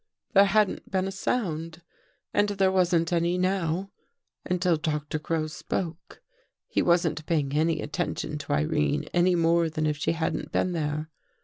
There hadn't been a sound and there wasn't any now, until Doctor Crow spoke. He wasn't paying any attention to Irene any more than if she hadn't been there.